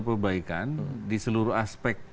perbaikan di seluruh aspek